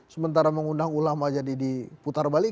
sementara mengundang ulama jadi diputar balik